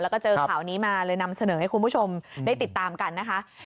แล้วก็เจอข่าวนี้มาเลยนำเสนอให้คุณผู้ชมได้ติดตามกันนะคะ